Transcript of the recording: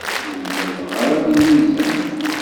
Ur zadeɣ ara deg lmizan.